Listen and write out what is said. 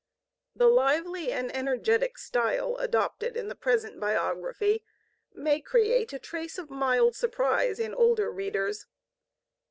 The lively and energetic style adopted in the present biography may create a trace of mild surprise in older readers.